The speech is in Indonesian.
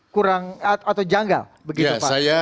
kurang atau janggal begitu pak ya saya